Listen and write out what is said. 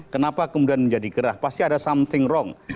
kenapa kemudian menjadi gerah pasti ada sesuatu yang salah